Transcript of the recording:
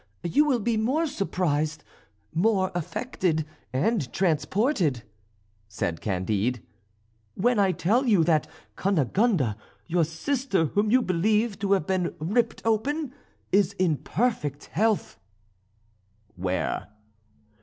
"You will be more surprised, more affected, and transported," said Candide, "when I tell you that Cunegonde, your sister, whom you believe to have been ripped open, is in perfect health." "Where?"